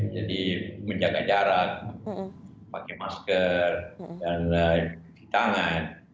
jadi menjaga jarak pakai masker dan di tangan